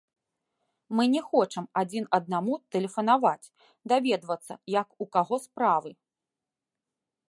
Мы не хочам адзін аднаму тэлефанаваць, даведвацца, як у каго справы.